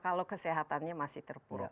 kalau kesehatannya masih terpuruk